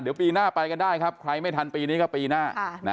เดี๋ยวปีหน้าไปกันได้ครับใครไม่ทันปีนี้ก็ปีหน้า